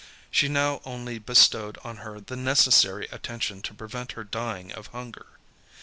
She now only bestowed on her the necessary attention to prevent her dying of hunger.